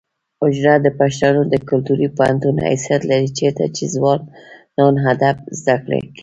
حجره د پښتنو د کلتوري پوهنتون حیثیت لري چیرته چې ځوانان ادب زده کوي.